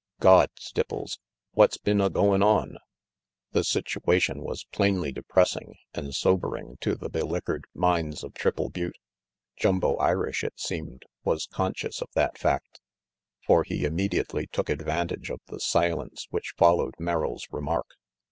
Gawd, Stipples, what's been a goin' on?" The situation was plainly depressing and sobering to the beliquored minds of Triple Butte. Jumbo Irish, it seemed, was conscious of that fact, for he immediately took advantage of the silence which followed Merrill's remark.